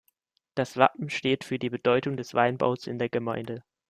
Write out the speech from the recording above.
Das Wappen steht für die Bedeutung des Weinbaus in der Gemeinde.